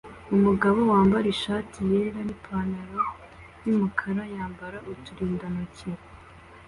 Umugabo wambaye ishati yera nipantaro yumukara yambara uturindantoki